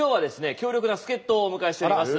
強力な助っ人をお迎えしています。